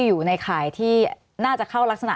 อยู่ในข่ายที่น่าจะเข้ารักษณะ